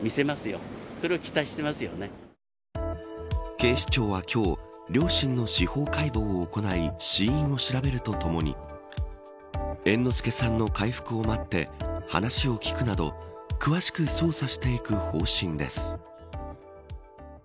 警視庁は今日、両親の司法解剖を行い死因を調べるとともに猿之助さんの回復を待って話を聴くなど詳しく捜査していく方針です。